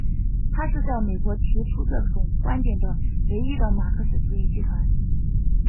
它是在美国提出这种观点的唯一的马克思主义集团。